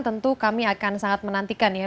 tentu kami akan sangat menantikan ya